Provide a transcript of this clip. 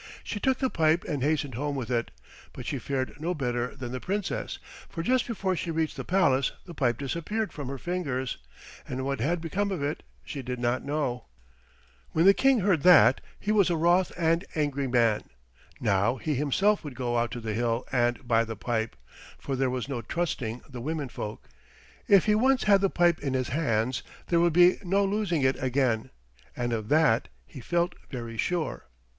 She took the pipe and hastened home with it, but she fared no better than the Princess, for just before she reached the palace the pipe disappeared from her fingers, and what had become of it she did not know. When the King heard that he was a wroth and angry man. Now he himself would go out to the hill and buy the pipe, for there was no trusting the womenfolk. If he once had the pipe in his hands there would be no losing it again, and of that he felt very sure.